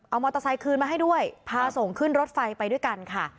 เอามอเตอร์ไซค์คืนมาให้ด้วยพาส่งขึ้นรถไฟไปด้วยกันค่ะ